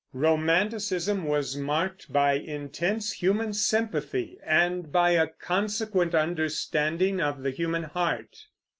Romanticism was marked by intense human sympathy, and by a consequent understanding of the human heart.